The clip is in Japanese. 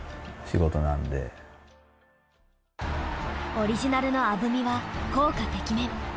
オリジナルのアブミは効果てきめん。